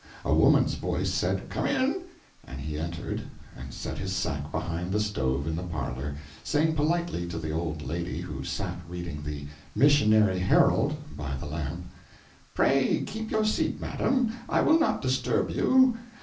A woman's voice said "Come in," and he entered, and set his sack behind the stove in the parlour, saying politely to the old lady who sat reading the "Missionary Herald" by the lamp: "Pray keep your seat, madam, I will not disturb you.